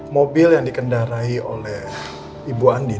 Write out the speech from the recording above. mobil yang dikendarai oleh ibu andi